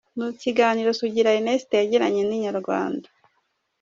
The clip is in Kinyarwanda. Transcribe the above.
Mu kiganiro Sugira Ernest yagiranye na Inyarwanda.